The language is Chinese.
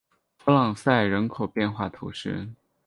弗朗赛人口变化图示